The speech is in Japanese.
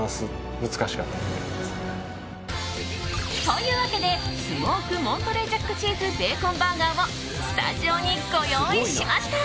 というわけでスモークモントレージャックチーズベーコンバーガーをスタジオにご用意しました。